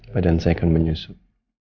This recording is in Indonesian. badan saya akan menyusut